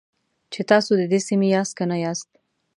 چې تاسو د دې سیمې یاست که نه یاست.